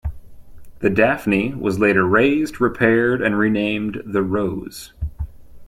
The "Daphne" was later raised, repaired, and renamed the "Rose".